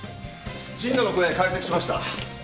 神野の声解析しました。